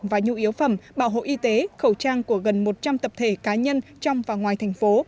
và nhu yếu phẩm bảo hộ y tế khẩu trang của gần một trăm linh tập thể cá nhân trong và ngoài thành phố